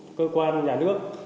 và các cơ quan doanh nghiệp